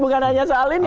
bukan hanya soal ini